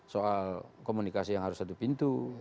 soal komunikasi yang harus satu pintu